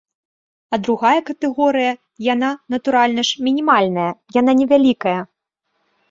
А другая катэгорыя, яна, натуральна ж, мінімальная, яна невялікая.